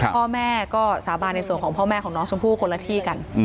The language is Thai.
พ่อแม่ก็สาบานในส่วนของพ่อแม่ของน้องชมพู่คนละที่กัน